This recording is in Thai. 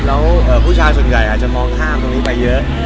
แล้วผู้ชายส่วนใหญ่อาจจะมองข้ามตรงนี้ไปเยอะ